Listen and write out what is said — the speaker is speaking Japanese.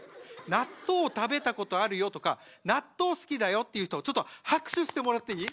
納豆食べたことあるよとか納豆好きだよっていう人ちょっと拍手してもらっていい？